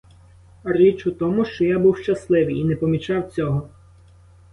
Річ у тому, що я був щасливий і не помічав цього.